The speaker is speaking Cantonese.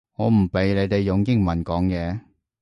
我唔畀你哋用英文講嘢